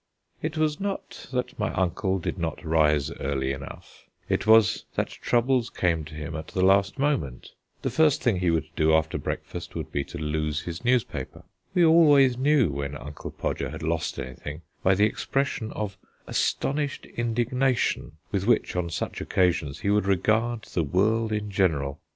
It was not that my uncle did not rise early enough; it was that troubles came to him at the last moment. The first thing he would do after breakfast would be to lose his newspaper. We always knew when Uncle Podger had lost anything, by the expression of astonished indignation with which, on such occasions, he would regard the world in general.